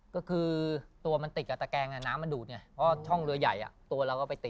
ก็คือตัวมันติดกับตะแกงน้ำมันดูดไงเพราะว่าช่องเรือใหญ่ตัวเราก็ไปติด